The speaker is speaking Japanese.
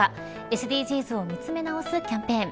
ＳＤＧｓを見つめ直すキャンペーン。